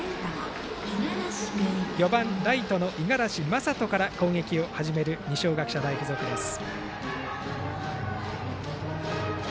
４番ライトの五十嵐将斗から攻撃を始める二松学舎大付属です。